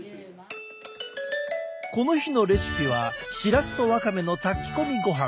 この日のレシピはしらすとワカメの炊き込みごはん。